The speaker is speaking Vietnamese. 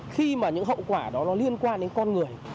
khi mà những hậu quả đó nó liên quan đến con người